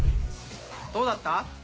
どうだった？